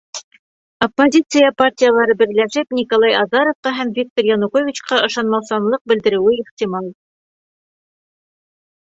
Оппозиция партиялары берләшеп, Николай Азаровҡа һәм Виктор Януковичҡа ышанмаусанлыҡ белдереүе ихтимал.